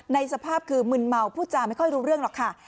สภาพคือมึนเมาพูดจาไม่ค่อยรู้เรื่องหรอกค่ะ